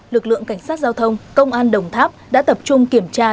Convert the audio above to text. lực lượng cảnh sát giao thông công an đồng tháp đã tập trung kiểm tra